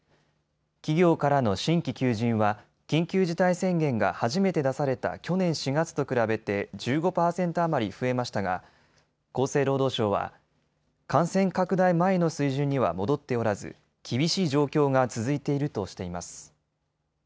企業からの新規求人は緊急事態宣言が初めて出された去年４月と比べて１５％余り増えましたが厚生労働省は感染拡大前の水準には戻っておらず厳しい状況が続いているとしています。